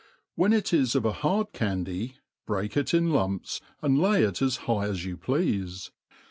When it is gf a hard candy, break it in lumps, and lay it as high as you pleafe.